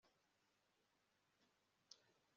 itegeko rishya rigomba kuvanaho ibyaha byateguwe